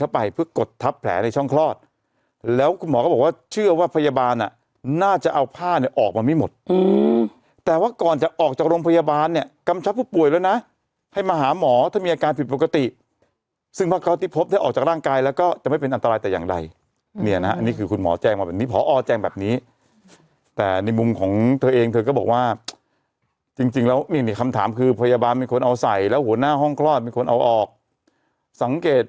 ค่ายเพลงก็จะเป็นไปร่วมกับหลังของหายท้องคำด้วยมั้ง